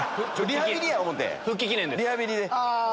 リハビリで。